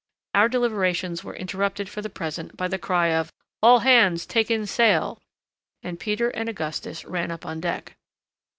Our deliberations were interrupted for the present by the cry of, "All hands take in sail," and Peters and Augustus ran up on deck.